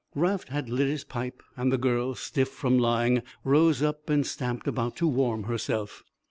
Raft had lit his pipe and the girl, stiff from lying, rose up and stamped about to warm herself.